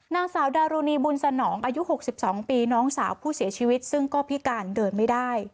นางสาวดารุณีบุญสนองอายุ๖๒ปีน้องสาวผู้เสียชีวิตซึ่งก็พิการเดินไม่ได้